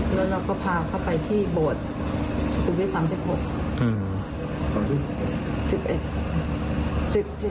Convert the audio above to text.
แล้วเราก็พาเขาไปที่บทสรุปวิทยาลัยสามสิบหกอืมสิบเอ็ดสิบ